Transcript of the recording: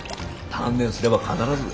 鍛錬すれば必ず。